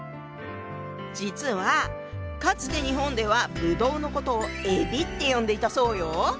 実はかつて日本では葡萄のことをえびって呼んでいたそうよ。